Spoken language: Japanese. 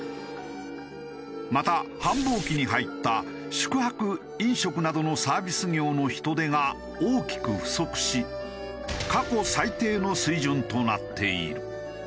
また繁忙期に入った宿泊飲食などのサービス業の人手が大きく不足し過去最低の水準となっている。